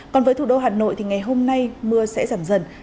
còn với thủ đô hà nội thì ngày hôm nay mưa sẽ giảm dần